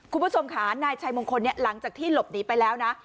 คุณผู้ชมค่ะนายชัยมงคลเนี่ยหลังจากที่หลบหนีไปแล้วนะ